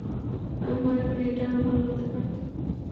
আমি মনে করি এটা আরও ভালো হতে পারত।